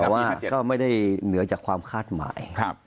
แต่ว่าก็ไม่ได้เหนือจากความคาดหมาย